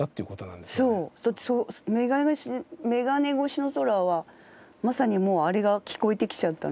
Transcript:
『眼鏡越しの空』はまさにもうあれが聴こえてきちゃったので。